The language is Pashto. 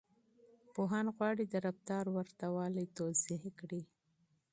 پوهان غواړي د رفتار ورته والی توضيح کړي.